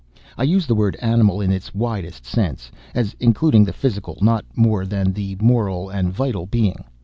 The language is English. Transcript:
I use the word 'animal' in its widest sense, as including the physical not more than the moral and vital being.